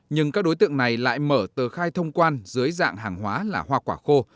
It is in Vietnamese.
nhưng các đối tượng này lại mở tờ khai thông quan dưới dạng hàng hóa là hoa quả khô